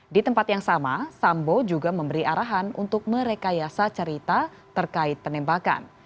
di tempat yang sama sambo juga memberi arahan untuk merekayasa cerita terkait penembakan